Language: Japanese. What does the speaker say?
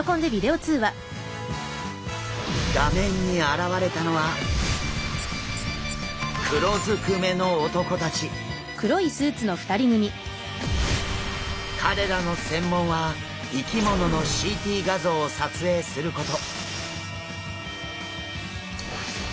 画面に現れたのは彼らの専門は生き物のＣＴ画像を撮影すること。